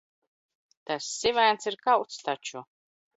Tas sivēns ir kauts taču.